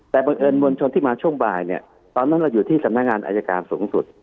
แต่บังเอิญมวลชนที่มาช่วงบ่ายเนี่ยตอนนั้นเราอยู่ที่สำนักงานอายการสูงสุด